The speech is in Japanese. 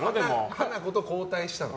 ハナコと交代したの。